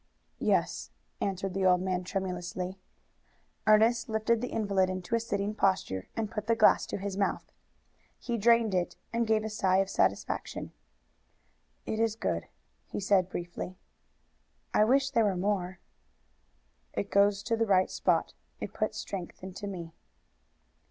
"Yes," answered the old man tremulously. Ernest lifted the invalid into a sitting posture, and put the glass to his mouth. He drained it, and gave a sigh of satisfaction. "It is good," he said briefly. "I wish there were more." "It goes to the right spot. It puts strength into me."